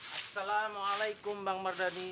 assalamualaikum bang mardhani